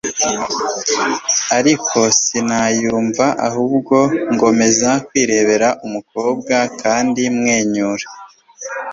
ariko sinayumva ahubwo ngomeza kwirebera umukobwa kandi mwenyura